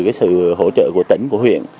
từ cái sự hỗ trợ của tỉnh của huyện